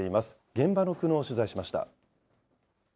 現場の苦悩を取材しました。